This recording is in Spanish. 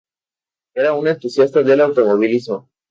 Era un entusiasta del automovilismo.